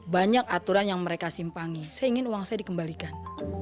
banyak aturan yang mereka simpangi saya ingin uang saya dikembalikan